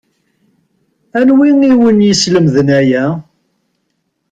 Anwi i wen-yeslemden aya?